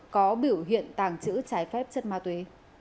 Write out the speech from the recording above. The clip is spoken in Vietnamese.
có biểu hiện tàng trữ trái phép chất ma túy